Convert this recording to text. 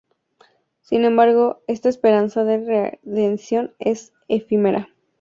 Sin embargo, esta esperanza de redención es efímera.